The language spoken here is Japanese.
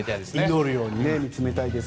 祈るように見つめたいです。